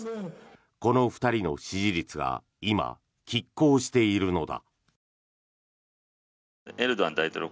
この２人の支持率が今きっ抗しているのだ。